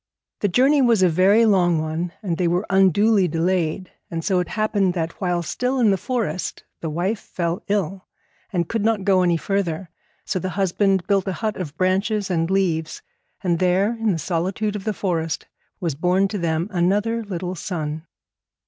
The journey was a very long one, and they were unduly delayed; and so it happened that while still in the forest the wife fell ill, and could not go on any further. So the husband built a hut of branches and leaves, and there, in the solitude of the forest, was born to them another little son.